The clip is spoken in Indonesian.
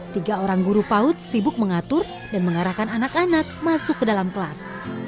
tiga orang guru paut sibuk mengatur dan mengarahkan anak anak masuk ke dalam kelas